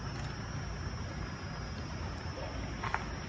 เธอก็ไม่รอบ